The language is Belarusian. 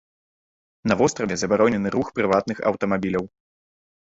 На востраве забаронены рух прыватных аўтамабіляў.